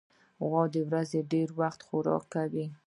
غوا د ورځې ډېری وخت خوراک کوي.